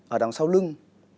ở đằng sau lưng